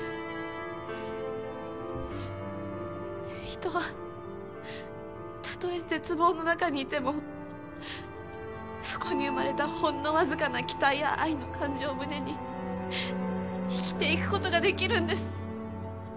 人はたとえ絶望の中にいてもそこに生まれたほんのわずかな「期待」や「愛」の感情を胸に生きていくことができるんです。